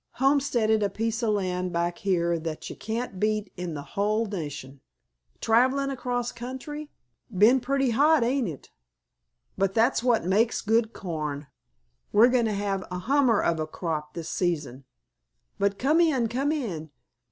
Homesteaded a piece o' land back here that ye can't beat in the hull nation. Travelin' across country? Be'n pretty hot, ain't it? But that's what makes good corn. We're going to have a hummer of a crop this season. But come in, come in!